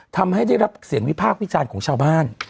ทำให้ได้รับเสียงวิพากษ์วิจารณ์ของชาวบ้าน